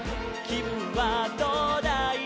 「きぶんはどうだい？」